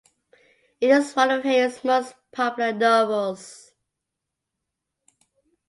It is one of Heyer's most popular novels.